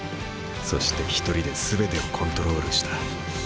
そして一人で全てをコントロールした。